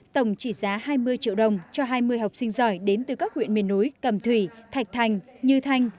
tổng trị giá hai mươi triệu đồng cho hai mươi học sinh giỏi đến từ các huyện miền núi cầm thủy thạch thành như thanh